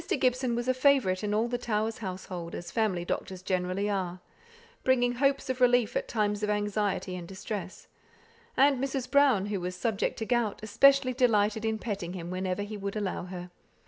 Gibson was a favourite in all the Towers' household, as family doctors generally are; bringing hopes of relief at times of anxiety and distress; and Mrs. Brown, who was subject to gout, especially delighted in petting him whenever he would allow her.